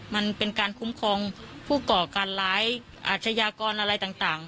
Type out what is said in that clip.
มันเป็นการคุ้มครองผู้ก่อการร้ายอาชญากรอะไรต่าง